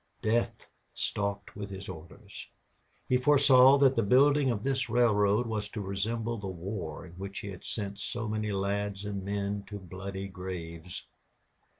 Death stalked with his orders. He foresaw that the building of this railroad was to resemble the war in which he had sent so many lads and men to bloody graves.